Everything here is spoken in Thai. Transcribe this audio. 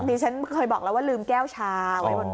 มีชั้นมาเคยบอกละว่าลืมแก้วชาไว้บนรถ